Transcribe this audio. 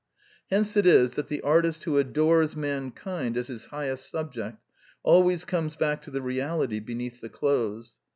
Hence it is that the artist who adores man kind as his highest subject, always comes back to the reality beneath the clothes.